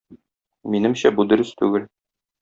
Минемчә, бу дөрес түгел.